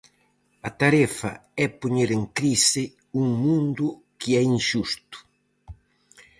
A tarefa é poñer en crise un mundo que é inxusto.